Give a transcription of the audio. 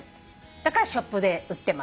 だからショップで売ってます。